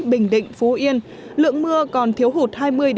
bình định phú yên lượng mưa còn thiếu hụt hai mươi ba mươi